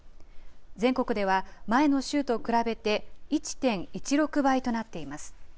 全国では、前の週と比べて１．１６倍となっています。